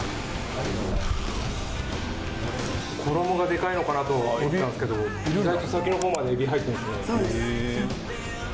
衣がデカいのかなと思ってたんですけど意外と先のほうまでエビ入ってるんですね。